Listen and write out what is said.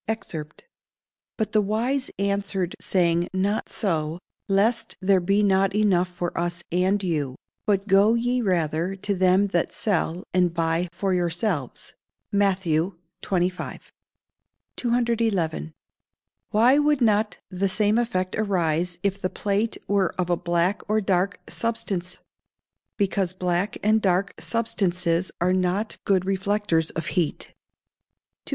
[Verse: "But the wise answered saying, Not so; lest there be not enough for us and you: but go ye rather to them that sell, and buy for yourselves." MATT. XXV.] 211. Why would not the same effect arise if the plate were of a black or dark substance? Because black and dark substances are not good reflectors of heat. 212.